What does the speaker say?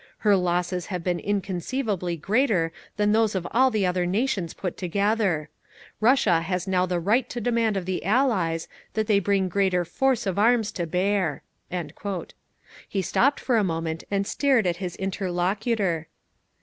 Her losses have been inconceivably greater than those of all the other nations put together. Russia has now the right to demand of the Allies that they bring greater force of arms to bear." He stopped for a moment and stared at his interlocutor.